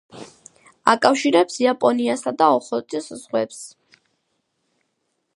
აკავშირებს იაპონიისა და ოხოტის ზღვებს.